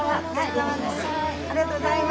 ありがとうございます。